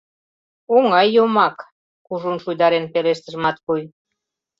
— Оҥай йомак... — кужун шуйдарен пелештыш Матвуй.